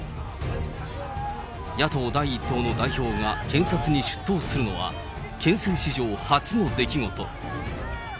野党第１党の代表が検察に出頭するのは、憲政史上初の出来事。